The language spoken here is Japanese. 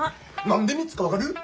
何で３つか分かる？